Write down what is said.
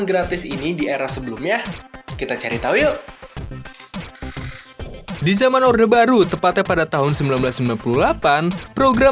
gratis ini di era sebelumnya kita cari tahu yuk di zaman orde baru tepatnya pada tahun seribu sembilan ratus sembilan puluh delapan program